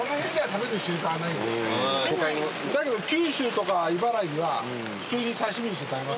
だけど九州とか茨城は普通に刺し身にして食べますよ。